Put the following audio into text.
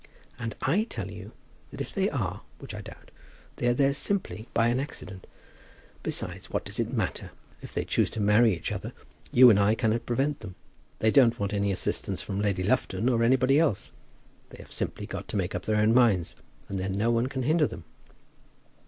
"And I tell you that if they are, which I doubt, they are there simply by an accident. Besides, what does it matter? If they choose to marry each other, you and I cannot prevent them. They don't want any assistance from Lady Lufton, or anybody else. They have simply got to make up their own minds, and then no one can hinder them."